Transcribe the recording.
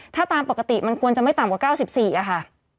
ถ้าตามปกติมันควรจะไม่ต่ำกว่า๙๔ค่ะ